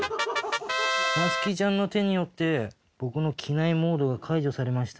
なつきちゃんの手によって僕の機内モードが解除されました。